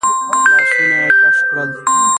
لاسونه يې کش کړل.